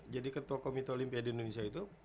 jadi ketua komito olimpia di indonesia itu